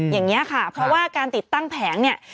อย่างนี้ค่ะเพราะว่าการติดตั้งแผงเนี่ย